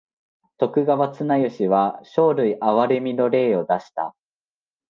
徳川綱吉は生類憐みの令を出した。